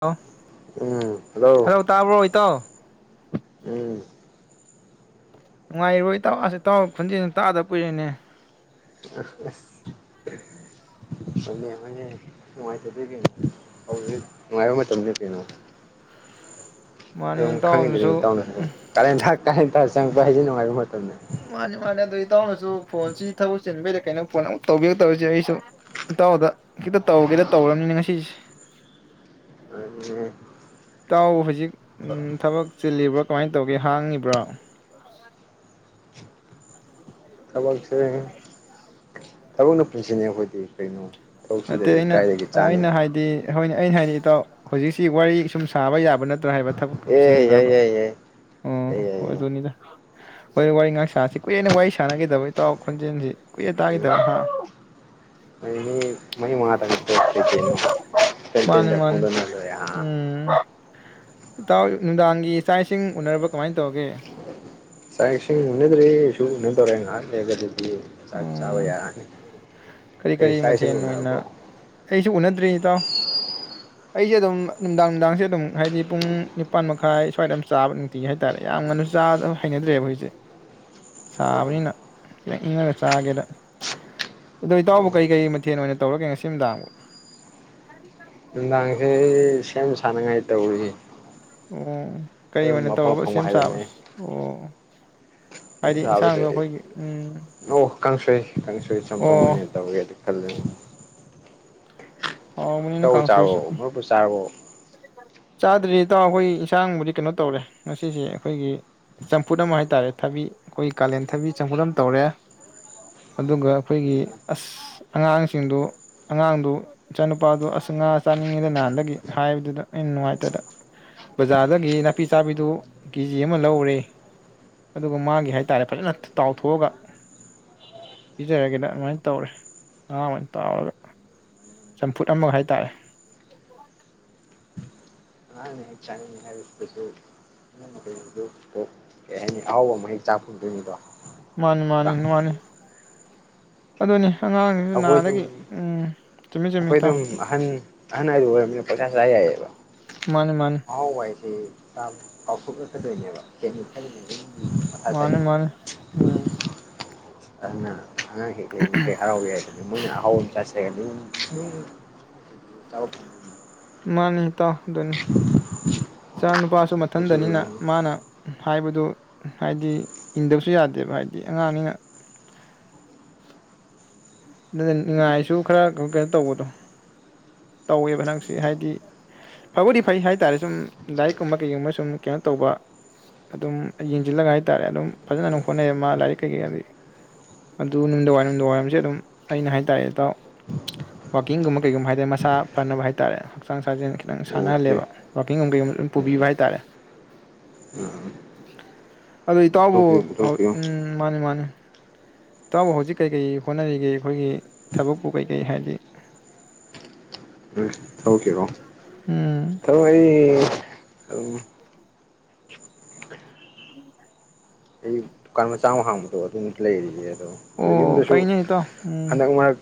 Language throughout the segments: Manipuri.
[unintelligible] ꯎꯝ ꯍꯜꯂꯣ ꯍꯂꯣ ꯇꯥꯕ꯭ꯔꯣ ꯏꯇꯥꯎ ꯎꯝ ꯅꯨꯉꯥꯏꯔꯤꯕꯣ ꯏꯇꯥꯎ ꯑꯁ ꯏꯇꯥꯎ ꯈꯣꯟꯖꯦꯟ ꯇꯥꯏ ꯀꯨꯏꯔꯦꯅꯦ [unintelligible] ꯍꯣꯏꯅꯦ ꯍꯣꯏꯅꯦ ꯅꯨꯡꯉꯥꯏꯇꯗꯤ ꯀꯩꯅꯣ ꯍꯧꯖꯤꯛ ꯅꯨꯡꯉꯥꯏꯕ ꯃꯇꯝꯅꯤ ꯀꯩꯅꯣ ꯑꯗꯨꯝ ꯃꯥꯅꯦ ꯈꯪꯏꯗꯩꯅꯤ ꯏꯇꯥꯎꯅꯁꯨ ꯏꯇꯥꯎꯄꯁꯨ ꯎꯝ ꯑꯗꯨꯝ [unintelligible] [unintelligible] ꯍꯥꯏꯖꯦ ꯅꯨꯡꯉꯥꯏꯕ ꯃꯇꯝ ꯃꯥꯅꯦ ꯃꯥꯅꯦ ꯑꯗꯣ ꯏꯇꯥꯎꯅꯁꯨ ꯊꯕꯛ ꯆꯤꯟꯕꯩꯔ ꯀꯩꯅꯣ ꯐꯣꯟ ꯑꯝ ꯇꯧꯕꯤꯔꯛꯇꯕꯖꯤꯗ ꯑꯩꯁꯨ ꯏꯇꯥꯎꯗ ꯈꯤꯇ ꯇꯧꯒꯦꯅ ꯇꯧꯔꯛꯑꯝꯃꯤꯅꯦ ꯉꯁꯤꯁꯦ ꯑꯗꯨꯅꯦ ꯏꯇꯥꯎ ꯍꯧꯖꯤꯛ ꯎꯝ ꯊꯕꯛ ꯆꯤꯜꯂꯤꯕ꯭ꯔꯥ ꯀꯃꯥꯏ ꯇꯧꯒꯦ ꯍꯥꯡꯉꯤꯕ꯭ꯔꯣ ꯊꯕꯛꯁꯦ ꯊꯕꯛꯅ ꯄꯨꯟꯁꯤꯅꯦ ꯑꯈꯣꯏꯗꯤ ꯀꯩꯅꯣ ꯅꯠꯇꯦ ꯊꯕꯛꯁꯤꯗꯗꯤ ꯑꯩꯅ ꯀꯥꯏꯗꯒꯤ ꯆꯥꯅꯤ ꯑꯩꯅ ꯍꯥꯏꯗꯤ ꯍꯣꯏꯅꯦ ꯑꯩꯅ ꯍꯥꯏꯗꯤ ꯏꯇꯥꯎ ꯍꯨꯖꯤꯛꯁꯤ ꯋꯥꯔꯤ ꯁꯨꯝ ꯁꯥꯕ ꯌꯥꯕ ꯅꯠꯇ꯭ꯔꯥ ꯍꯥꯏꯕ ꯊꯕꯛ ꯑꯦ ꯌꯥꯏ ꯆꯤꯟꯕ꯭ꯔꯥꯕ ꯌꯥꯏ ꯌꯥꯏ ꯑꯣ ꯌꯥꯏ ꯌꯥꯏ ꯌꯥꯏ ꯍꯣꯏꯗꯨꯅꯤꯗ ꯍꯣꯏ ꯋꯥꯔꯤ ꯉꯍꯥꯛ ꯁꯥꯁꯤ ꯀꯨꯏꯔꯦ ꯋꯥꯔꯤ ꯁꯥꯟꯅꯒꯤꯗꯕ ꯏꯇꯥꯎ ꯈꯣꯟꯖꯦꯟꯖꯤ ꯀꯨꯏꯔꯦ ꯎꯝ ꯇꯥꯒꯤꯗꯕ [unintelligible] ꯀꯩꯀꯩꯅꯣ ꯑꯄꯦꯟ ꯄꯦꯟꯗ ꯐꯣꯡꯗꯣꯛꯅꯔ ꯂꯣꯏꯔꯦ ꯍꯥ ꯎꯝ ꯏꯇꯥꯎ ꯅꯨꯡꯗꯥꯡꯒꯤ ꯆꯥꯛ ꯏꯁꯤꯡ ꯎꯅꯔꯕ ꯀꯃꯥꯏ ꯇꯧꯔꯒꯦ ꯆꯥꯛ ꯏꯁꯤꯡ ꯎꯅꯗ꯭ꯔꯤ [unintelligible] ꯉꯍꯥꯛ ꯂꯩꯔꯒꯗꯤ [unintelligible] ꯆꯥꯛ ꯆꯥꯕ ꯎꯝ ꯌꯥꯔꯅꯤ ꯀꯔꯤ ꯀꯩ ꯀꯔꯤ ꯆꯥꯛ ꯏꯁꯤꯡ ꯃꯊꯦꯜ ꯑꯣꯏꯅ ꯎꯅꯔꯕꯣ ꯎꯅꯗ꯭ꯔꯤ ꯏꯇꯥꯎ ꯑꯩꯁꯨ ꯑꯗꯨꯝ ꯅꯨꯡꯗꯥꯡ ꯅꯨꯡꯗꯥꯡꯁꯦ ꯑꯗꯨꯝ ꯍꯥꯏꯗꯤ ꯄꯨꯡ ꯅꯤꯃꯥꯟ ꯃꯥꯏ ꯁ꯭ꯋꯥꯏꯗ ꯑꯝ ꯆꯥꯕꯅꯦ ꯅꯨꯡꯇꯤꯒꯤ ꯍꯥꯏꯇꯥꯔꯦ ꯌꯥꯝ ꯉꯟꯅꯁꯨ [unintelligible] ꯍꯩꯅꯗ꯭ꯔꯦꯕ ꯍꯧꯖꯤꯛꯁꯦ ꯁꯥꯕꯅꯤꯅ ꯏꯪꯉꯒ ꯆꯥꯒꯦꯗ ꯑꯗꯣ ꯏꯇꯥꯎꯕꯨ ꯀꯩꯀꯩ ꯃꯊꯦꯟ ꯑꯣꯏꯅ ꯇꯧꯔꯒꯦ ꯉꯁꯤ ꯅꯨꯡꯗꯥꯡꯕꯣ ꯅꯨꯡꯗꯥꯡꯁꯦ ꯑꯩ ꯁꯦꯝ ꯁꯥꯟꯅ ꯉꯥꯏ ꯇꯧꯔꯤ ꯑꫭ ꯀꯩ ꯑꫭꯅ ꯑꯗꯨꯝ ꯑꯐꯪ ꯇꯧꯑꯕ ꯁꯦꯝ ꯁꯥꯕꯁꯤ ꯑꫭ꯫ ꯁꯤꯗ ꯇꯥꯕꯁꯤ ꯏ ꯎꯝ ꯅꫭ ꯀꯥꯡꯁꫭꯏ ꯀꯥꯡꯁꫭꯏꯒ ꯆꯝꯊꫭꯡ ꯑꯣ ꯑꫭꯏꯅ ꯇꯧꯒꯦꯗꯤ ꯈꯜꯂꯦ ꯍꯥꯎꯕꯅꯤꯅ ꯏꯇꯥꯎꯕꯨ ꯀꯥꯡꯁꯣꯏꯁꯨ ꯆꯥꯔꯕꫭ ꯃꯔꯨꯞꯄꯨ ꯆꯥꯔꯕꫭ꯫ ꯆꯥꯗ꯭ꯔꯤ ꯏꯇꯥꯎ ꯑꯈꫭꯏ ꯏꯟꯁꯥꯡꯕꯨꯗꯤ ꯀꯩꯅꫭ ꯇꯧꯔꯦ ꯉꯁꯤꯁꯤ ꯑꯈꫭꯏꯒꯤ ꯆꯝꯐꯨꯠ ꯑꯃ ꯍꯥꯏꯇꯥꯔꯦ ꯊꯕꯤ ꯈꫭꯏ ꯀꯥꯂꯦꯟ ꯊꯕꯤ ꯆꯝꯐꯨꯠ ꯑꯃ ꯇꯧꯔꯦ ꯑꯗꯨꯒ ꯑꯈꫭꯏꯒꯤ ꯑꯁ ꯑꯉꯥꯡꯁꯤꯡꯗꫭ ꯑꯉꯥꯡꯗꫭ ꯏꯆꯥꯅꯨꯄꯥꯗꫭ ꯑꯁ ꯉꯥ ꯆꯥꯅꯤꯡꯉꯦꯗ ꯅꯍꯥꯟꯗꯒꯤ ꯍꯥꯕꯗꯨꯗ ꯑꯩꯅ ꯅꯨꯡꯉꯥꯏꯇꯗ ꯕꯖꯥꯔꯗꯒꯤ ꯅꯥꯄꯤ ꯆꯥꯕꯤꯗꯨ ꯀꯦ ꯖꯤ ꯑꯃ ꯂꯧꯎꯔꯦ ꯑꯗꯨꯒ ꯃꯥꯒꯤ ꯍꯥꯏꯇꯥꯔꯦ ꯐꯖꯅ ꯇꯥꯎꯊꫭꯛꯑꯒ ꯄꯤꯖꯔꯒꯦꯅ ꯑꯃꯥꯏ ꯇꯧꯔꯦ ꯉꯥ ꯑꫭꯏꯅ ꯇꯥꯎꯔꯒ꯫ ꯆꯝꯐꯨꯠ ꯑꯃꯒ ꯍꯥꯏꯇꯥꯔꯦ ꯀꯩꯁꯨ ꯑꯍꯧꯕ ꯑꯃ ꯍꯦꯛ ꯆꯥ ꯐꯪꯗꫭꯏꯅꯤꯀꫭ꯫ ꯃꯥꯅꯦ ꯃꯥꯅꯦ ꯅꯨꯋꯥꯅꯦ ꯑꯗꯨꯅꯤ ꯑꯉꯥꯡꯁꯤꯡꯁꯤ ꯑꯈꫭꯏꯗꯧ ꯅꯍꯥꯟꯗꯒꯤ ꯎꯝ ꯆꯨꯝꯃꯤ ꯆꯨꯝꯃꯤ ꯏꯇꯥꯎ ꯑꯈꫭꯏꯗꯨꯝ ꯑꯍꯟ ꯑꯍꯟ ꯍꯥꯏꯗꯨ ꯑꫭꯏꯔꯕꯅꯤꯅ ꯄꯪꯆꯥ ꯆꯥ ꯌꯥꯏꯌꯦꯕ ꯃꯥꯅꯤ ꯃꯥꯅꯤ ꯑꯍꯥꯎꯕ ꯍꯥꯏ [inaudible] ꯃꯥꯅꯦ-ꯃꯥꯅꯦ ꯝꯝ ꯑꯗꯨꯅ ꯑꯉꯥꯡ [inaudible] ꯍꯔꯥꯎ ꯌꯥꯏ [inaudible] ꯃꯥꯅꯤ ꯏꯇꯥꯎ ꯑꯗꯨꯅꯤ ꯏꯆꯥ ꯅꯨꯄꯥꯁꯨ ꯁꯨ ꯃꯊꯟꯗꯅꯤꯅ ꯃꯥꯅ ꯝꯍ ꯍꯥꯏꯕꯗꯨ ꯍꯥꯏꯗꯤ ꯏꯟꯗꯕꯁꯨ ꯌꯥꯗꯦꯕ ꯍꯥꯏꯗꯤ ꯑꯉꯥꯡꯅꯤꯅ ꯅꯗ ꯅꯤꯡꯉꯥꯏꯁꯨ ꯈꯔ ꯀ ꯀꯩꯅꫭ ꯇꯧꯕꯗꫭ ꯇꯧꯋꯦꯕ ꯅꯪꯁꯦ ꯍꯥꯏꯗꯤ ꯐꯕꯨꯗꯤ ꯐꯩ ꯍꯥꯏꯇꯥꯔꯦ ꯁꯨꯝ ꯂꯥꯏꯔꯤꯛꯀꯨꯝꯕ ꯀꯩꯀꯨꯝꯕ ꯁꯨꯝ ꯀꯩꯅꫭ ꯇꯧꯕꯥ ꯑꯗꯨꯝ ꯌꯦꯡꯖꯤꯜꯂꯒ ꯍꯥꯏꯇꯥꯔꯦ ꯑꯗꯨꯝ ꯐꯖꯅ ꯗꯨꯝ ꯍꫭꯠꯅꯩ ꯃꯥ ꯂꯥꯏꯔꯤꯛ ꯀꯩꯀꯩ ꯑꯗꯤ ꯑꯗꯨ ꯅꯨꯡꯗꯋꯥꯏ-ꯅꯨꯡꯗꯋꯥꯏ ꯁꯤ ꯑꯗꯨꯝ ꯑꯩꯅ ꯍꯥꯏꯇꯥꯔꯦ ꯏꯇꯥꯎ ꯋꯥꯜꯀꯤꯡ ꯒꯨꯝꯕ ꯀꯩꯒꯨꯝꯕ ꯍꯥꯏꯗꯤ ꯃꯁꯥ ꯐꯅꯕ ꯍꯥꯏꯇꯥꯔꯦ ꯍꯛꯆꯥꯡ ꯁꯥꯖꯦꯟ ꯈꯤꯇꯪ ꯁꯥꯅꯍꯜꯂꯦꯕ ꯋꯥꯜꯀꯤꯡ ꯑꯝꯒꯨꯝꯒ ꯂꫭꯏ ꯄꯨꯕꯤꯕ ꯄꯨꯊꯣꯛꯄꯤꯌꯨ ꯍꯥꯏꯇꯥꯔꯦ꯫ ꯑꯗꫭ ꯏꯇꯥꯎꯕꯨ ꯍꫭꯏ ꯄꯨꯊꯣꯛꯄꯤꯌꯨ ꯃꯥꯅꯦ-ꯃꯥꯅꯦ ꯏꯇꯥꯎꯕꯨ ꯍꯧꯖꯤꯛ ꯀꯩ-ꯀꯩ ꯍꫭꯠꯅꯔꯤꯒꯦ ꯑꯈꫭꯏꯒꯤꯊꯕꯛꯄꯨ ꯀꯩ-ꯀꯩ ꯍꯥꯏꯗꯤ ꯑꫭꯏ ꯊꯕꯛꯀꯤꯔꫭ ꯎꯝ [unintelligible] ꯑꯩ ꯗꯨꯀꯥꯟ ꯃꯆꯥꯃ ꯍꯥꯡꯕꯗꫭ ꯑꯗꯨꯃꯨꯛ ꯂꯩꯔꯤꯌꯦ꯫ ꯑꯗꫭ ꯑꯣ ꯌꯨꯝꯗꯁꯨ ꯐꯩꯅꯦ ꯏꯇꯥꯎ ꯎꯝ ꯍꯟꯗꯛ ꯃꯔꯛ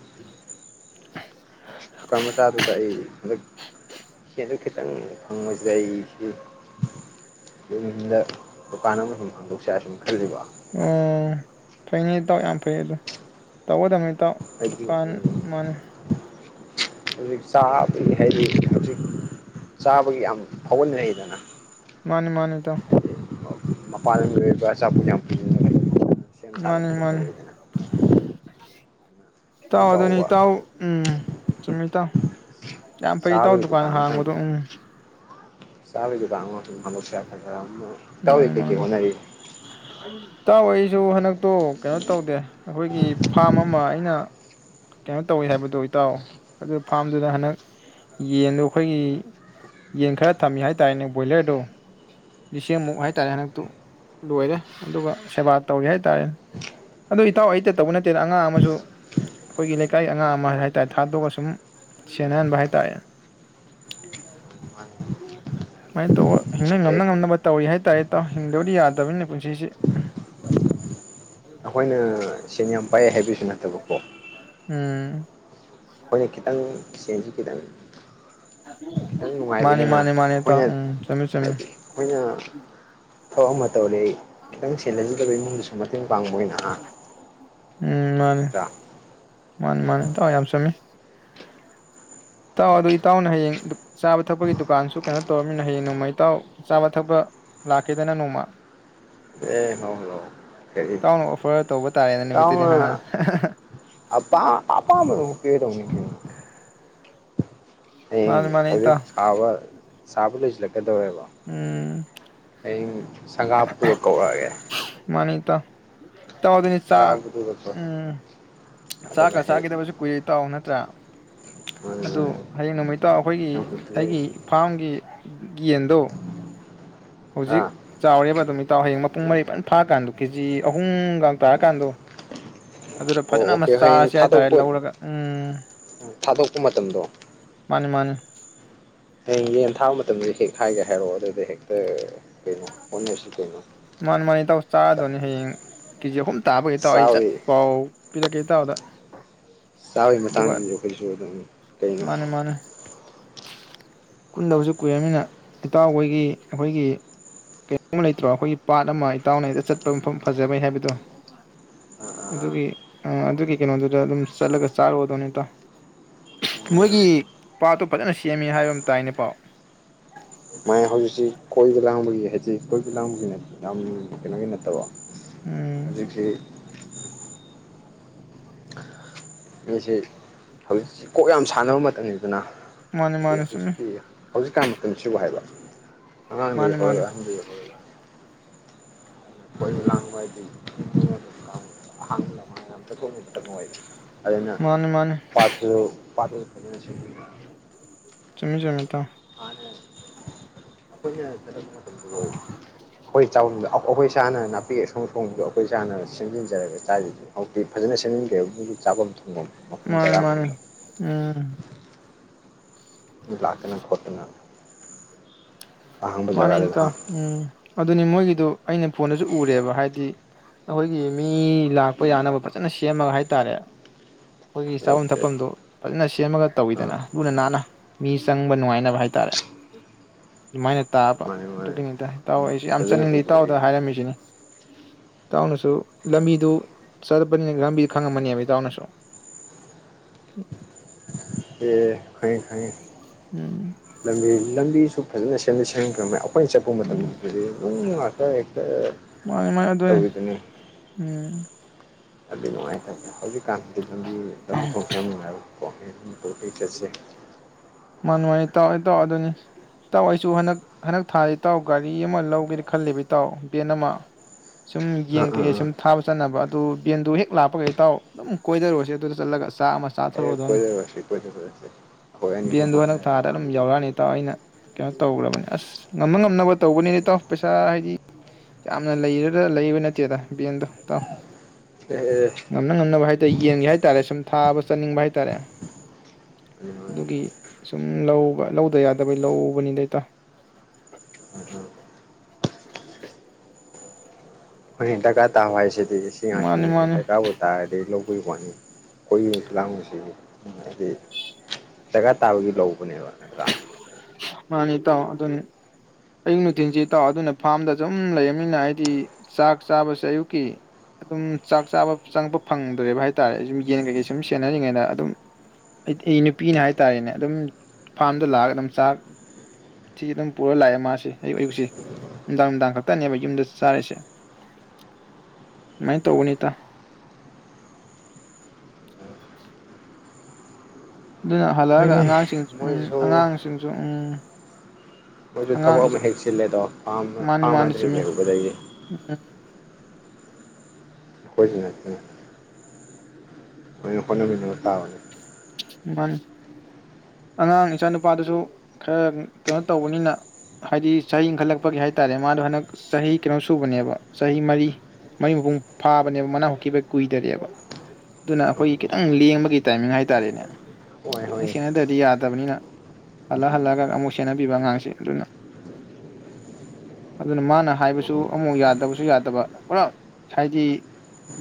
[unintelligible] ꯗꯨꯀꯥꯟ ꯃꯆꯥꯗꯨꯗ ꯑꯩ ꯍꯟꯗꯛ ꯁꯦꯟꯗꫭ ꯈꯤꯇꯪ ꯐꯪꯕꯁꯤꯗ ꯑꯩꯁꯤ ꯌꯨꯝꯗ ꯗꯨꯀꯥꯟ ꯑꯃꯁꯨꯝ ꯍꯥꯡꯗꫭꯛꯁꯤꯔꯥ ꯁꯨꯝ ꯈꯜꯂꯤꯕ ꯝꯝꯝ ꯐꯩꯅꯦ ꯏꯇꯥꯎ ꯌꯥꯝ ꯐꯩꯌꯦ ꯑꯗꫭ ꯇꯧꯒꯗꯕꯅꯤ꯫ ꯏꯇꯥꯎ ꯍꯥꯏꯗꯤ ꯗꯨꯀꯥꯟ ꯃꯥꯅꯦ ꯍꯧꯖꯤꯛ ꯆꯥꯕꯩ ꯍꯥꯏꯗꯤ ꯍꯧꯖꯤꯛ ꯆꯥꯕꯒꯤ ꯌꯥꯝ ꯐꯥꯎꯒꯠꯅꯔꯛꯏꯗꯅ ꯃꯥꯅꯦ-ꯃꯥꯅꯦ ꯏꯇꯥꯎ꯫ ꯃꯄꯥꯜ ꯂꯃꯗ ꯃꯥꯅꯤ ꯃꯥꯅꯤ [inaudible] [inaudible] ꯏꯇꯥꯎ ꯑꯥꯗꯨꯗꯤ ꯏꯇꯥꯑꯣ ꯎꯝ ꯆꯨꯝꯃꯤ ꯏꯇꯥꯎ ꯌꯥꯝ ꯐꯩ ꯏꯇꯥꯎ ꯆꯥꯕꯒꯤ ꯗꯨꯀꯥꯟ ꯍꯥꯡꯕꯗꯣ ꯎꯝ ꯆꯥ ꯕꯩ ꯗꯨꯀꯥꯟ ꯑꯃꯥ ꯁꯨꯝ ꯐꯝꯃꯁꯤꯔꯥ ꯈꯜꯂꯝꯕ ꯏꯇꯥꯎꯗꯤ ꯃꯥꯅꯤ ꯀꯩ ꯀꯩ ꯃꯥꯅꯤ ꯍꯣꯠꯅꯥꯔꯤ ꯏꯇꯥꯎ ꯑꯩꯁꯨ ꯍꯟꯗꯛꯇꯣ ꯀꯩꯅꯣ ꯇꯧꯗꯦ ꯑꯩꯈꯣꯌꯒꯤ ꯐꯥꯔꯝ ꯑꯃꯥ ꯑꯩꯅꯥ ꯀꯩꯅꯣ ꯇꯧꯏ ꯍꯥꯌꯕꯥꯗꯣ ꯏꯇꯥꯎ ꯑꯗꯨ ꯐꯥꯔꯝ ꯗꯨꯗꯥ ꯍꯟꯗꯛ ꯌꯦꯟꯗꯣ ꯑꯩꯈꯣꯌꯒꯤ ꯌꯦꯟ ꯈꯔꯥ ꯊꯝꯃꯤ ꯍꯥꯏꯇꯥꯔꯦ ꯕꯣꯏꯂꯔꯗꯣ ꯂꯤꯁꯤꯡꯃꯨꯛ ꯍꯥꯏꯇꯔꯦꯅꯦ ꯂꯣꯏꯔꯦ ꯑꯗꯨꯒꯥ ꯁꯦꯕꯥ ꯇꯧꯔꯤ ꯍꯥꯏꯇꯥꯔꯦ ꯑꯗꯣ ꯏꯇꯥꯎ ꯑꯩꯗ ꯇꯧꯕꯥ ꯅꯠꯇꯦ ꯑꯉꯥꯪ ꯑꯃꯖꯨ ꯑꯩꯈꯣꯌꯒꯤ ꯂꯩꯀꯥꯏꯒꯤ ꯑꯉꯥꯪ ꯑꯃꯥꯒꯥ ꯍꯥꯏꯇꯥꯔꯦ ꯊꯗꯣꯛꯑꯥꯒꯥ ꯁꯨꯝ ꯁꯦꯟꯅꯍꯟꯕ ꯍꯥꯏ ꯇꯥꯔꯦ ꯑꯗꯨꯝꯃꯥꯏ ꯇꯧ ꯑꯏ ꯉꯝꯅ ꯍꯦꯛ ꯉꯝꯅꯕꯥ ꯇꯧꯔꯤ ꯍꯥꯏ ꯇꯥꯔꯦ ꯏꯇꯥꯎ ꯍꯤꯡꯗꯕꯗꯤ ꯌꯥꯗꯕꯅꯤꯅꯥ ꯄꯨꯟꯁꯤꯁꯦ ꯑꯩꯈꯣꯏꯅꯥ ꯆꯦꯟꯌꯝ [unintelligible] [inaudible] ꯎꯝ ꯍꯣꯏꯅꯦ ꯈꯤꯇꯪ ꯁꯦꯟꯖꯦ ꯈꯤꯇꯥꯪ ꯈꯤꯇꯥꯪ ꯃꯥꯅꯤ ꯅꯨꯪꯉꯥꯏꯕꯅꯤꯅꯥ ꯃꯥꯅꯤ ꯃꯥꯅꯤ ꯏꯇꯥꯎ ꯑꯩꯈꯣꯌꯅꯥ ꯎꯝ ꯆꯨꯝꯃꯤ ꯆꯨꯝꯃꯤ ꯍꯥꯏꯗꯤ ꯑꯩꯈꯣꯌꯅꯥ ꯊꯕꯛ ꯑꯃꯥ ꯇꯧꯔꯦ ꯑꯩ ꯈꯤꯇꯥꯪ [inaudible] ꯏꯃꯨꯪꯗꯁꯨ ꯃꯇꯦꯪ ꯎꯝ ꯃꯥꯟꯅꯦ ꯅꯠꯇ꯭ꯔꯥ ꯃꯟꯅꯦ ꯃꯟꯅꯦꯥ ꯏꯇꯥꯎ ꯌꯥꯝ ꯆꯨꯟꯃꯤ ꯏꯇꯥꯎ ꯑꯗꯨꯗꯤ ꯏꯇꯥꯎꯅꯥ ꯍꯌꯦꯪ ꯆꯥꯕꯥ ꯊꯛꯄꯩ ꯗꯨꯀꯥꯟꯁꯨ ꯀꯩꯅꯣ ꯇꯧꯔꯃꯤꯅꯥ ꯍꯌꯦꯪ ꯅꯣꯪꯃꯥ ꯏꯇꯥꯎ ꯆꯥꯕꯥ ꯊꯛꯄꯥ ꯂꯥꯛꯀꯦꯗꯅ ꯅꯣꯪꯃꯥ ꯑꯦ ꯏꯇꯥꯎꯅꯥ ꯑꯣꯐꯔ ꯇꯧꯕ ꯇꯥꯔꯦꯅꯦ ꯅꯨꯃꯤꯠꯇꯨꯗꯤ ꯏꯇꯥꯎꯅꯥ ꯍꯥ ꯍꯥ ꯑꯄꯥꯥꯝ ꯑꯄꯝꯗꯣ ꯄꯤꯔꯗꯧꯅꯤ ꯍꯌꯦꯪ ꯃꯥꯅꯤ [inaudible] ꯃꯥꯅꯤ ꯍꯥꯖꯤꯛ ꯏꯇꯥꯎ ꯁꯥꯕ ꯁꯕꯥ ꯂꯣꯏꯁꯤꯜꯂꯛ ꯀꯩꯗꯧꯑꯦꯕ ꯎꯝ ꯍꯌꯦꯪ ꯁꯪꯒꯕꯗꯨꯒꯥ ꯀꯧꯔꯛꯑꯒꯦ ꯇꯥꯎ ꯏꯇꯥꯎ ꯑꯗꯨꯗꯤ ꯆꯥꯛ ꯉꯥꯡꯕꯗꯨꯒꯀꯣ ꯎꯝ ꯆꯥꯛꯀꯥ ꯑꯗꯨꯒ ꯍꯦꯛ ꯆꯈꯤꯗꯕꯁꯨ ꯀꯨꯏꯔꯦ ꯏꯇꯥꯎ ꯅꯥ ꯇꯔꯥ ꯑꯗꯣ ꯍꯌꯦꯪ ꯅꯣꯪꯃꯥ ꯏ ꯂꯇꯥꯎ ꯑꯩꯈꯣꯏꯒꯤ ꯑꯩꯒꯤ ꯐꯥꯔꯝꯒꯤ ꯌꯦꯟꯗꯣ ꯍꯧꯖꯤꯛ ꯑꯥ ꯆꯥꯎꯔꯦ ꯃꯇꯝ [inaudible] ꯏꯇꯥꯎ ꯍꯌꯦꯪ ꯃꯄꯨꯪ ꯃꯔꯩ ꯐꯖꯅꯥ ꯐꯔꯥ ꯀꯥꯟꯗꯣ ꯀꯦ ꯖꯤ ꯑꯍꯨꯝꯒꯥ ꯇꯔꯥ ꯀꯟꯗꯣ ꯑꯗꯨꯗ ꯑꯣ ꯐꯖꯅꯥ ꯑꯃꯥ ꯑꯣꯀꯦ ꯍꯌꯦꯡ ꯆꯥꯔꯁꯤ ꯍꯥꯏꯇꯥꯔꯦ ꯊꯥꯗꯣꯛꯄ ꯂꯧꯔꯒꯥ ꯎꯝ ꯊꯥꯗꯣꯛꯄ ꯃꯇꯝꯗꯣ ꯃꯥꯅꯤ ꯃꯥꯅꯤ ꯍꯌꯣ ꯀꯩꯅꯣ ꯑ ꯀꯩꯅꯣ꯫ ꯃꯅꯤ ꯃꯅꯤ ꯆꯔꯗꯕꯅꯤ ꯍꯌꯦꯡ ꯀꯦꯒ ꯑꯍꯨꯝ ꯇꯕꯔ ꯏꯇꯥꯎ ꯑꯩ ꯆꯠꯞ ꯆꯥꯕꯩ ꯄꯥꯎ ꯄꯣꯔꯛꯀꯦ ꯏꯇꯎꯗ ꯆꯕꯒꯤ ꯃꯇꯥꯡꯗ ꯑꯈꯣꯏꯁꯨ ꯑꯝ ꯃꯅꯦ ꯃꯅꯦ ꯄꯟꯗꯕꯁꯨ ꯀꯨꯏꯔꯕꯅꯤꯅ ꯏꯇꯎ ꯍꯣꯏꯒꯤ ꯑꯩꯍꯣꯌꯒꯤ ꯀꯔꯤꯝ ꯂꯩꯇꯔꯣ ꯄꯠ ꯑꯃ ꯏꯇꯎꯅ ꯍꯦꯛꯇꯥ ꯆꯠꯄ ꯃꯐꯝꯕꯥꯏ ꯍꯥꯏꯕꯁꯤꯕꯗꯣ ꯑꯗꯨꯒꯤ ꯑ ꯑꯗꯨꯒꯤ ꯀꯩꯅꯣ ꯗꯨꯗ ꯗꯨꯝ ꯆꯠꯂꯒ ꯆꯔꯨꯔ꯭ꯗꯕꯅꯤ ꯏꯇꯎ ꯃꯣꯒꯤ ꯄꯠꯇꯣ ꯐꯖꯦꯟꯅ ꯁꯦꯝꯃꯤ ꯍꯩꯕ ꯑꯃ ꯇꯥꯏꯅꯦ ꯄꯥꯎ ꯃꯥꯏ ꯍꯧꯖꯤꯛꯁꯤ ꯀꯣꯏꯕ ꯂꯥꯡꯕꯒꯤ ꯀꯣꯏꯕ ꯂꯟꯕꯖꯦꯅꯗꯤ ꯌꯥꯝ ꯀꯩꯅꯣꯒꯤ ꯅꯠꯇꯕ ꯎꯝ ꯍꯧꯖꯤꯛꯁꯤ ꯍꯧꯖꯤꯛꯁꯦ ꯍꯧꯖꯤꯛ ꯀꯣꯛ ꯌꯝ ꯃꯔꯝꯅꯤ ꯑꯗꯨꯅ ꯃꯥꯅꯤ ꯃꯥꯅꯤ ꯆꯨꯝꯃꯤ ꯍꯧꯖꯤꯛꯀꯤ ꯍꯧꯖꯤꯛꯀꯟꯁꯤꯕꯣ ꯍꯥꯏꯕ ꯑꯉꯥꯡ ꯗꯩꯏ ꯃꯥꯅꯤ ꯍꯧꯔꯒ ꯃꯥꯅꯤ ꯑꯍꯟꯗꯥꯏ ꯑꯣꯢꯔꯣ ꯀꯣꯏꯕ ꯂꯥꯡꯕꯗꯤ ꯑꯍꯥꯡꯕ ꯅꯠꯇꯔ꯭ꯗꯤ ꯅꯨꯉꯥꯏꯇꯦ ꯑꯗꯨꯅ ꯃꯥꯅꯤ ꯃꯥꯅꯤ ꯄꯠꯁꯨ ꯄꯠ ꯑꯗꯨꯅ ꯑꯁꯦꯕꯅꯦ ꯆꯨꯨꯃꯤ ꯆꯨꯨꯃꯤ ꯏꯇꯎ ꯃꯅꯦ ꯑꯩꯈꯣꯏꯅ ꯑꯣ ꯑꯩꯈꯣꯏꯅ ꯆꯕꯥꯝꯗꯣ ꯑꯩꯈꯣꯏ ꯏꯁꯅ ꯅꯄꯤ ꯑꯁꯪꯕ ꯊꯣꯡꯕꯗꯣ ꯑꯩꯈꯣꯏ ꯏꯁꯥꯅ ꯁꯦꯝꯖꯤꯜꯖꯔꯒ ꯆꯔꯤꯗꯨꯗꯤ ꯍꯧꯖꯤꯇꯤ ꯐꯖꯅꯒꯔꯦ ꯑꯗꯨꯒꯤ ꯆꯕꯥꯝ ꯃꯅꯦ ꯃꯅꯦ ꯑꯝ ꯅꯣꯏ ꯂꯛꯇꯅ ꯀꯣꯠꯇꯅ ꯃꯅꯦ ꯏꯇꯎ ꯑꯝ ꯑꯗꯨ ꯃꯣꯏꯒꯤꯗꯣ ꯑꯩ ꯅ ꯐꯣꯟꯗꯁꯨ ꯎꯔꯦꯕ ꯍꯥꯏꯗꯤ ꯑꯩꯈꯣꯏ ꯃꯤ ꯂꯛꯄ ꯌꯅꯕ ꯐꯖꯟꯅ ꯁꯦꯝꯃꯒ ꯍꯥꯏꯇꯔꯦ ꯑꯩꯈꯣꯏꯒꯤ ꯆꯕꯥꯃ ꯑꯣꯀꯦ ꯊꯛꯐꯝꯗꯣ ꯐꯖꯟꯅ ꯁꯦꯝꯃꯒ ꯑꯥ ꯇꯥꯎꯏꯗꯅ ꯂꯨꯅ ꯅꯟꯅ ꯃꯤ ꯆꯡꯕ ꯅꯨꯉꯥꯏꯅꯕ ꯍꯥꯏ ꯇꯥꯔꯦ ꯑꯗꯨꯃꯥꯏꯅ ꯇꯕ ꯃꯥꯅꯦ ꯃꯥꯅꯦ ꯑꯗꯨꯒꯤꯅꯤꯗ ꯏꯇꯎ ꯎꯝ ꯑꯩꯁꯨ ꯌꯥꯝ ꯐꯖꯅ ꯆꯠꯅꯤꯡꯕ ꯎꯈ꯭ꯔꯦ ꯏꯇꯎ ꯑꯩꯁꯨ ꯍꯥꯏꯔꯝꯃꯤꯅꯤ ꯏꯇꯎ ꯅꯁꯨ ꯂꯝꯕꯤꯗꯨ ꯆꯠꯄꯅꯤꯅ ꯈꯪꯂꯝꯃꯅꯤꯕ ꯏꯇꯎ ꯁꯨ ꯑꯝ ꯐꯥꯏꯌꯦ ꯐꯥꯏꯇꯦ ꯂꯝ ꯂꯝꯕꯤꯁꯨ ꯁꯦꯝꯗꯤ ꯁꯦꯝꯒꯔꯕꯅꯦ ꯑꯩꯈꯣꯏ ꯆꯠꯄ ꯎꯝ ꯃꯇꯝꯗꯗꯤ ꯏꯅꯨ ꯅꯨꯉꯥ ꯑꯩꯈꯣꯏ ꯍꯦꯛꯇꯥ ꯇꯥꯎꯔꯤꯗꯨꯅꯤ ꯑꯝ ꯑꯗꯨꯝ ꯅꯨꯉꯥꯏ ꯍꯧꯖꯤꯛ ꯀꯟꯁꯤꯗꯤ ꯂꯝꯕꯤ ꯂꯝꯕꯤ ꯊꯣꯡ ꯁꯦꯝ ꯅꯨꯉꯥꯏꯀꯣ ꯀꯩꯅꯣꯅꯦ꯫ [unintelligible] ꯃꯥꯅꯦ ꯃꯥꯅꯦ ꯏꯇꯥꯎ ꯏꯇꯥꯎ ꯑꯗꯨꯅꯦ ꯏꯇꯥꯎ ꯑꯩꯁꯨ ꯍꯟꯗꯛ ꯍꯟꯗꯛ ꯊꯥꯁꯤꯗ ꯒꯥꯔꯤ ꯑꯃ ꯂꯧꯒꯦꯅꯗꯤ ꯈꯜꯂꯤꯕ ꯏꯇꯥꯎ ꯕꯦꯟ ꯑꯃ ꯁꯨꯝ ꯌꯦꯟ ꯑꯥ ꯑꯥ ꯀꯩꯀꯩ ꯑꯥ ꯁꯨꯝ ꯊꯥꯕ ꯆꯠꯅꯕ ꯑꯗꯨ ꯕꯦꯟꯗꯨ ꯍꯦꯛ ꯂꯥꯛꯄꯒ ꯏꯇꯥꯎ ꯑꯗꯨꯝ ꯀꯣꯏꯗꯔꯨꯔꯦꯁꯤ ꯑꯗꯨꯗ ꯆꯠꯂꯒ ꯆꯥꯛ ꯑꯃ ꯆꯥꯊꯔꯨꯔꯗꯧꯅꯤ [unintelligible] ꯍꯣꯔꯦꯟ ꯕꯦꯟꯗꯨ ꯍꯟꯗꯛ ꯊꯥꯗ ꯑꯗꯨꯝ ꯌꯧꯔꯛꯑꯅꯤ ꯏꯇꯥꯎ ꯑꯩꯅ ꯀꯩꯅꯣ ꯇꯧꯒꯔꯕꯅꯦ ꯑꯁ ꯉꯝꯅ ꯉꯝꯅꯕ ꯇꯧꯕꯅꯤꯗ ꯏꯇꯥꯎ ꯄꯩꯁꯥ ꯍꯥꯏꯗꯤ ꯌꯥꯝꯅ ꯂꯩꯔꯒ ꯂꯩꯕ ꯅꯠꯇꯦꯗ ꯕꯦꯟꯗꯣ ꯏꯇꯥꯎ ꯑꯦ ꯉꯝꯅ ꯉꯝꯅꯕ ꯍꯥꯏ ꯌꯦꯟꯒꯤ ꯍꯥꯏ ꯇꯥꯔꯦ ꯁꯨꯝ ꯊꯥꯕ ꯆꯠꯅꯤꯡꯕ ꯍꯥꯏ ꯇꯥꯔꯦ ꯑꯗꯨꯒꯤ ꯁꯨꯝ ꯂꯧꯕ ꯂꯧꯗ ꯌꯥꯗꯕꯩ ꯂꯧꯕꯅꯤꯗ ꯏꯇꯥꯎ ꯑꯩꯈꯣꯏꯅ ꯑꯗꯨꯅꯦ ꯗꯔꯀꯥꯔ ꯇꯥꯕ ꯍꯥꯏꯁꯦ ꯃꯥꯅꯤ ꯃꯥꯅꯤ ꯗꯔꯀꯥꯔꯕꯨ ꯇꯥꯔꯗꯤ ꯂꯧꯕꯩ ꯋꯥꯅꯤ ꯍꯥꯏꯗꯤ ꯗꯔꯀꯥꯔ ꯇꯥꯕꯩ ꯂꯧꯕꯅꯦꯕꯥ ꯅꯠꯇꯔꯥ ꯃꯥꯅꯤ ꯏꯇꯥꯎ ꯑꯗꯨꯅꯤ ꯑꯌꯨꯛ ꯅꯨꯡꯊꯤꯜꯁꯤ ꯏꯇꯥꯎ ꯑꯗꯨꯅ ꯐꯥꯔꯝꯗ ꯑꯗꯨꯝ ꯂꯩꯔꯕꯅꯤꯅ ꯍꯥꯏꯗꯤ ꯆꯥꯛ ꯆꯥꯕꯁꯦ ꯑꯌꯨꯛꯀꯤ ꯆꯥꯛ ꯆꯥꯕꯁꯦ ꯆꯪꯂꯛꯄ ꯐꯪꯗꯔꯦꯕ ꯍꯥꯏ ꯇꯥꯔꯦ ꯑꯩꯖꯨ ꯌꯦꯟ ꯒꯨꯝꯕ ꯁꯨꯝ ꯁꯦꯅꯔꯤꯉꯩꯗ ꯑꯩ ꯑꯩ ꯅꯨꯄꯤꯅ ꯍꯥꯏ ꯇꯥꯔꯦꯅꯦ ꯑꯗꯨꯝ ꯐꯥ꯭ꯔꯝꯗ ꯂꯥꯛ ꯑꯒ ꯑꯗꯨꯝ ꯆꯥꯛ ꯁꯤ ꯑꯗꯨꯝ ꯄꯨꯔꯒ ꯂꯥꯛ ꯑꯦ ꯃꯥꯁꯤ ꯑꯌꯨꯛ ꯑꯌꯨꯛꯁꯤ ꯅꯨꯡꯗꯥꯡ ꯅꯨꯡꯗꯥꯡ ꯈꯛꯇꯅꯦꯕ ꯌꯨꯝꯗ ꯆꯥꯔꯤꯁꯦ ꯑꯗꯨꯃꯥꯏꯅ ꯇꯧꯕꯅꯦ ꯏꯇꯥꯎ ꯑꯗꯨꯅ ꯍꯜꯂꯛꯂꯒ ꯍꯣꯏꯅꯦ ꯑꯉꯥꯡꯁꯤꯡ ꯎꯝ ꯃꯣꯏꯁꯨ ꯑꯉꯥꯡꯁꯤꯡꯁꯨ ꯎꯝ ꯅꯣꯏꯖꯨ ꯑꯉꯥꯡ ꯊꯕꯛ ꯑꯃ ꯏꯆꯥ ꯍꯦꯛ ꯆꯤꯜꯂꯦꯗꯣ ꯐꯥ꯭ꯔꯝ ꯃꯥꯅꯤ ꯐꯥ꯭ꯔꯝ ꯃꯥꯅꯤ ꯍꯥꯏꯗꯣ ꯍꯦꯛ ꯆꯨꯝꯃꯤ ꯂꯩꯍꯧꯕꯗꯒꯤ ꯎꯝ [unintelligible] ꯂꯣꯏꯅ ꯍꯣꯠꯅꯃꯤꯟꯅꯕ ꯇꯥꯕꯅꯤ ꯃꯥꯅꯤ ꯑꯉꯥꯡ ꯏꯆꯥꯅꯨꯄꯥꯗꯨꯁꯨ ꯈꯔ ꯀꯩꯅꯣ ꯇꯧꯕꯅꯤꯅ ꯍꯥꯏꯗꯤ ꯆꯍꯤ ꯏꯟꯈꯠꯂꯛꯄꯒꯤ ꯍꯥꯏ ꯇꯥꯔꯦ ꯃꯥꯗꯣ ꯍꯟꯗꯛ ꯆꯍꯤ ꯀꯩꯅꯣ ꯁꯨꯕꯅꯦꯕ ꯆꯍꯤ ꯃꯥꯔꯤ ꯄꯔꯤ ꯃꯄꯨꯡ ꯐꯥꯕꯅꯦꯕ ꯃꯅꯥ ꯍꯨꯠꯈꯤꯕ ꯀꯨꯏꯗꯔꯤꯕ ꯑꯗꯨꯅ ꯑꯩꯈꯣꯏ ꯈꯤꯇꯪ ꯂꯦꯡꯕꯒꯤ ꯇꯥꯏꯃꯤꯡ ꯍꯥꯏ ꯇꯥꯔꯦꯅꯦ ꯍꯣꯏ ꯑꯃꯨꯛ ꯍꯣꯏꯅꯦ ꯁꯦꯟꯅꯗꯔꯗꯤ ꯌꯥꯗꯕꯅꯤꯅ ꯍꯜꯂ ꯍꯜꯂꯛꯂꯒ ꯁꯦꯟꯅꯕꯤꯕ ꯑꯉꯥꯡꯁꯦ ꯑꯗꯨꯅ ꯑꯗꯨꯅ ꯃꯥꯅ ꯎꯝ ꯍꯥꯏꯕꯁꯨ ꯎꯝ ꯑꯃꯨꯛ ꯌꯥꯗꯕꯁꯨ ꯌꯥꯗꯕ ꯄꯨꯔꯥ ꯍꯥꯏꯗꯤ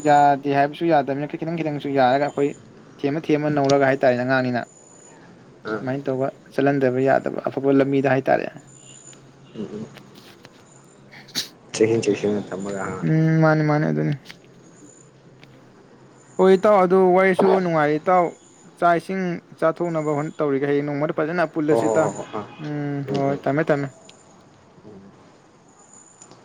ꯌꯥꯗꯦ ꯍꯥꯏꯕꯁꯨ ꯌꯥꯗꯕꯅꯤꯅ ꯈꯤꯇꯪ ꯈꯤꯇꯪꯁꯨ ꯌꯥꯔꯒ ꯑꯩꯈꯣꯏ ꯊꯦꯝꯃ ꯊꯦꯝꯃ ꯅꯧꯔꯒ ꯍꯥꯏꯗꯤ ꯑꯉꯥꯡꯅꯤꯅ ꯑꯣ ꯑꯥ ꯑꯗꯨꯃꯥꯏ ꯇꯧꯔꯒ ꯆꯠꯍꯟꯗꯕ ꯌꯥꯗꯕ ꯑꯐꯕ ꯂꯝꯕꯤꯗ ꯍꯥꯏ ꯇꯥꯔꯦꯅꯦ ꯎꯝ ꯎꯝ [unintelligible] ꯎꯝ ꯃꯥꯅꯦ ꯃꯥꯅꯦ ꯎꯝ ꯍꯣꯏ ꯏꯇꯥꯎ ꯑꯗꯣ ꯋꯥꯔꯤꯁꯨ ꯅꯨꯡꯉꯥꯏꯔꯤ ꯏꯇꯥꯎ ꯆꯥꯛ ꯏꯁꯤꯡ ꯆꯥꯊꯣꯛꯅꯕ ꯑꯝꯇ ꯇꯧꯔꯨꯒꯦ ꯅꯣꯡꯃꯗ ꯐꯖꯅ ꯍꯣꯏ ꯄꯨꯜꯂꯁꯤ ꯍꯣꯏ ꯏꯇꯥꯎ ꯍꯣꯏ ꯍꯣꯏ ꯑꯥ ꯎꯝ ꯍꯣꯏ ꯍꯣꯏ ꯎꯝ ꯎꯝ ꯊꯝꯃꯦ ꯊꯝꯃꯦ